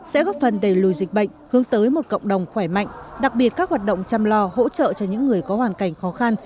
sẽ góp phần đẩy lùi dịch bệnh hướng tới một cộng đồng khỏe mạnh đặc biệt các hoạt động chăm lo hỗ trợ cho những người có hoàn cảnh khó khăn